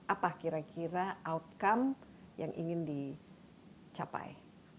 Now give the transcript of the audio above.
apa kira kira outcome yang ingin dicapai